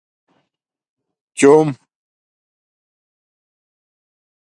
چݸم